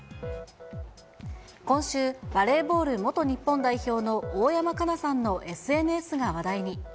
今週、バレーボール元日本代表の大山加奈さんのＳＮＳが話題に。